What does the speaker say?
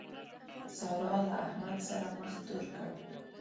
سارا له احمد سره مخ تور کړ.